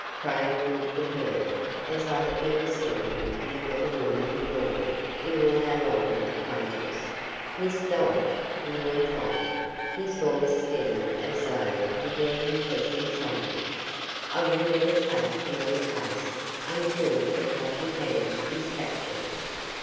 Craig looked at her, as I had never seen him look at a woman before in all our long acquaintance. "Miss Dodge," he went on, his voice steady as though he were repressing something, "I will never take another case until the 'Clutching Hand' is captured."